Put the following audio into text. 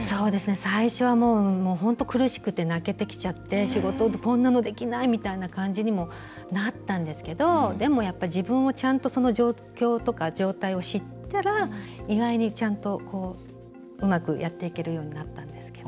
最初は、本当苦しくて泣けてきちゃって仕事、こんなのできないって感じにもなったんですけどでも、やっぱり自分をちゃんとその状況とか状態を知ったら意外にちゃんとうまくやっていけるようになったんですけど。